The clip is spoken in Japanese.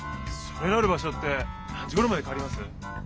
「それなる場所」って何時ごろまでかかります？